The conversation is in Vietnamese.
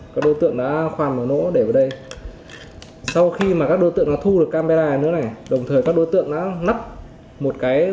các đối tượng cóp sang thẻ nhớ như thế này